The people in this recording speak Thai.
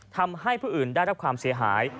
ทำให้ผู้อื่นได้รับความเสียหาย